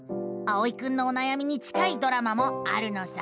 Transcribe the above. あおいくんのおなやみに近いドラマもあるのさ。